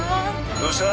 どうした？